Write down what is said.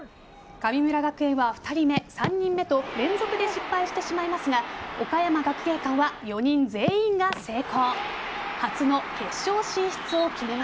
神村学園は２人目、３人目と連続で失敗してしまいますが岡山学芸館は４人全員が成功。